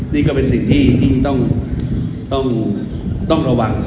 นี่ก็เป็นสิ่งที่ต้องระวัง